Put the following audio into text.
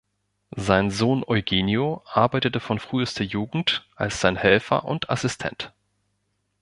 Sein Sohn Eugenio arbeitete von frühester Jugend als sein Helfer und Assistent.